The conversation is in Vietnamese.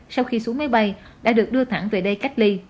sau khi xuống máy bay đã được đưa thẳng về đây cách ly